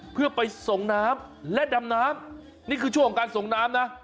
เพื่อไปส่งน้ำและดำน้ำนี่คือช่วงของการส่งน้ำนะ